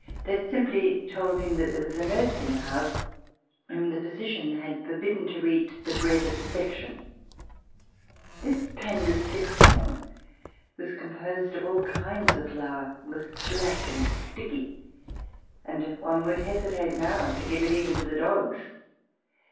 They had simply told him that there was a nurse in the house whom the physician had forbidden to eat the bread of the Section. [153: RECOLLECTIONS OF THE REVOLUTION This pain de i ^cizow was composed ofall kinds of flour, was black and sticky, and one would hesitate now to give it even to the dogs.